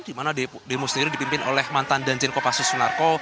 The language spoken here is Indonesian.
di mana demo sendiri dipimpin oleh mantan danjen kopassus sunarko